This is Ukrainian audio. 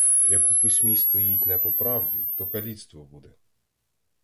Як у письмі стоїть не по правді, то каліцтво буде.